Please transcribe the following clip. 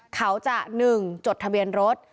เขาจะ๑จดทะเบียนรถ